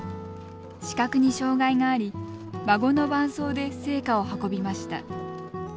視覚に障害があり孫の伴走で聖火を運びました。